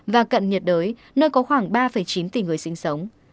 và cận nhiệt đới nơi có khoảng ba chín tỷ người sinh sống